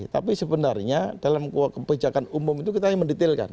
tapi sebenarnya dalam kebijakan umum itu kita yang mendetailkan